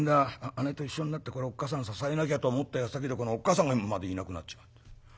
姉と一緒になっておっ母さん支えなきゃと思ったやさきでこのおっ母さんまでいなくなっちまった。